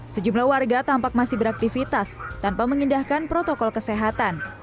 sejumlah warga tampak masih beraktivitas tanpa mengindahkan protokol kesehatan